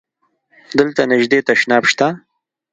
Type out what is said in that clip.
دلته نژدی تشناب شته؟